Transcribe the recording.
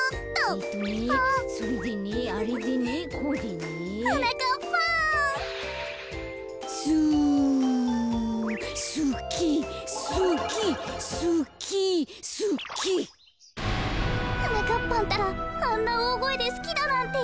こころのこえはなかっぱんったらあんなおおごえですきだなんて。